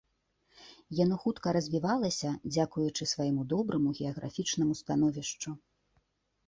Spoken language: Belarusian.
Яно хутка развівалася, дзякуючы свайму добраму геаграфічнаму становішчу.